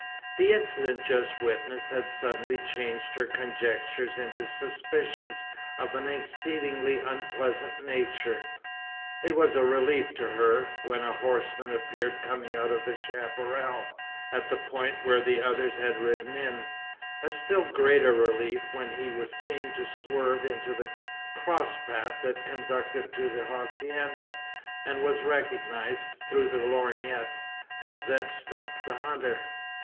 The incident just witnessed had suddenly changed her conjectures into suspicions of an exceedingly unpleasant nature. It was a relief to her, when a horseman appeared coming out of the chapparal, at the point where the others had ridden in; a still greater relief, when he was seen to swerve into the cross path that conducted to the hacienda, and was recognised, through the lorgnette, as Zeb Stump the hunter.